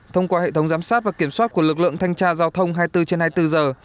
thông qua hệ thống giám sát và kiểm soát của lực lượng thanh tra giao thông hai mươi bốn trên hai mươi bốn giờ